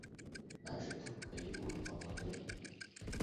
Аҽа ҭыԥк аиур ҟамлаӡои?